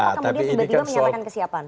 kenapa kemudian tiba tiba menyatakan kesiapan